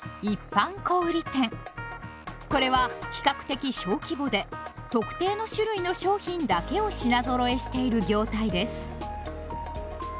これは比較的小規模で特定の種類の商品だけを品ぞろえしている業態です。